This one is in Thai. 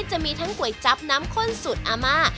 จะมีทั้งก๋วยจับน้ำข้นสูตรอาม่า